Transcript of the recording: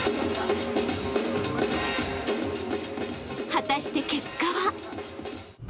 ［果たして結果は！？］